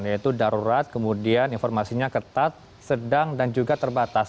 yaitu darurat kemudian informasinya ketat sedang dan juga terbatas